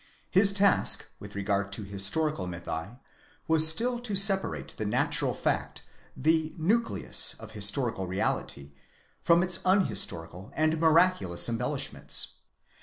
His task, with regard to historical mythi, was still to separate the natural fact—the nucleus of historical reality—from its unhistorical and miraculous embellishments.